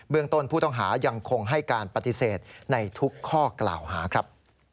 ต้นผู้ต้องหายังคงให้การปฏิเสธในทุกข้อกล่าวหาครับ